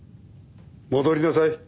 戻りなさい。